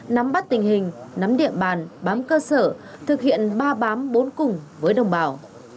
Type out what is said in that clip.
nắm bắt tình hình nắm địa bàn bám cơ sở thực hiện ba bám bốn cùng với đồng bào